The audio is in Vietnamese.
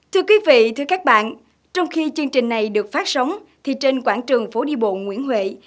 thưa quý vị thưa các bạn trong khi chương trình này được phát sóng thì trên quảng trường phố đi bộ nguyễn huệ